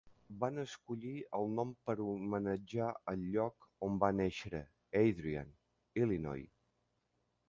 Van escollir el nom per homenatjar el lloc on va néixer, Adrian, Illinois.